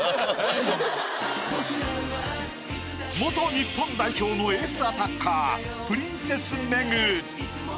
元日本代表のエースアタッカープリンセス・メグ。